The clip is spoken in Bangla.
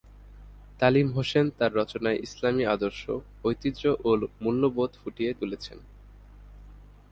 তালিম হোসেন তার রচনায় ইসলামি আদর্শ, ঐতিহ্য ও মূল্যবোধ ফুটিয়ে তুলেছেন।